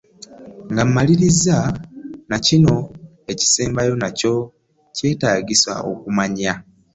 Nga mmaliriza, na kino ekisembayo nakyo kyetaagisa okumanya.